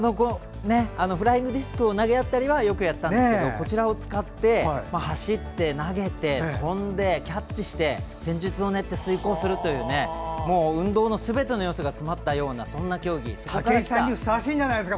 フライングディスクを投げ合ったりはよくやったんですけどこちらを使って走って、投げて跳んで、キャッチして戦術を練って遂行するというもう運動のすべての要素が詰まった競技です。